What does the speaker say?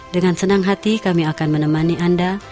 dengan senang hati kami akan menemani anda